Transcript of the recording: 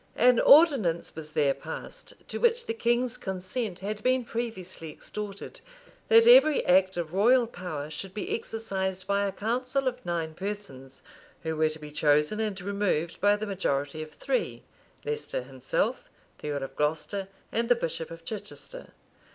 An ordinance was there passed, to which the king's consent had been previously extorted, that every act of royal power should be exercised by a council of nine persons, who were to be chosen and removed by the majority of three, Leicester himself, the earl of Glocester, and the bishop of Chichester.